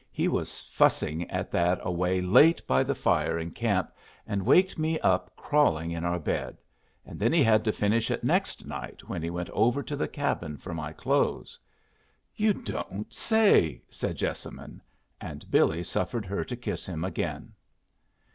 "He was fussing at that away late by the fire in camp, an' waked me up crawling in our bed. An' then he had to finish it next night when he went over to the cabin for my clothes." "You don't say!" said Jessamine. And Billy suffered her to kiss him again.